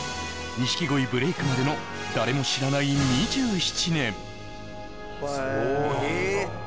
錦鯉ブレイクまでの誰も知らない２７年